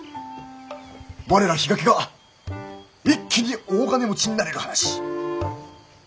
我ら比嘉家が一気に大金持ちになれる話。